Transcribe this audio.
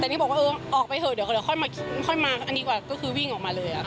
แต่นี่บอกว่าเออออกไปเถอะเดี๋ยวค่อยมาอันนี้กว่าก็คือวิ่งออกมาเลยค่ะ